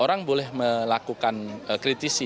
orang boleh melakukan kritisi